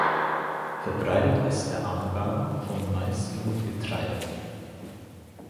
Verbreitet ist der Anbau von Mais und Getreide.